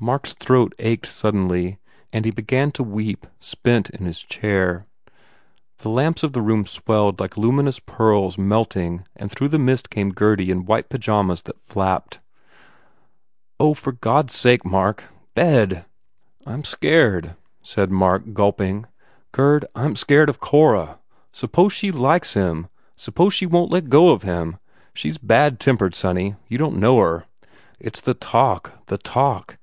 Mark s throat ached suddenly and he began to weep, soent in his chair. The lamps of the room swelled like luminous pearls melting and through the mist came Gurdy in white pyjamas that flapped. 266 THE IDOLATER "Oh, for God s sake, Mark! Bed!" "I m scared," said Mark, gulping, "Gurd, I m scared of Cora. Suppose she likes him? Suppose she won t let go of him? She s bad tempered, sonny. You don t know her. It s the talk the talk.